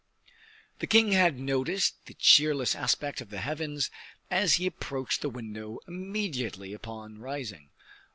The king had noticed the cheerless aspect of the heavens as he approached the window immediately upon rising.